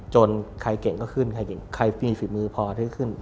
จนใครเก่งก็ขึ้นใครไม่มีศิลป์มือพอก็ขึ้น